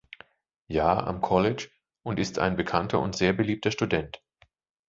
Jahr am College und ist ein bekannter und sehr beliebter Student.